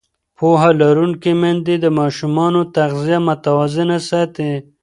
پوهه لرونکې میندې د ماشومانو تغذیه متوازنه ساتي.